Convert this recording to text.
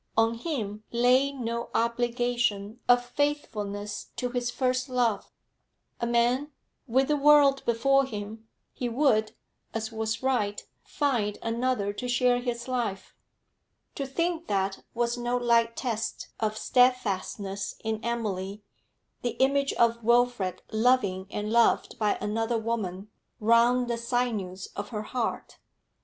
On him lay no obligation of faithfulness to his first love; a man, with the world before him, he would, as was right, find another to share his life. To think that was no light test of steadfastness in Emily the image of Wilfrid loving and loved by another woman wrung the sinews of her heart.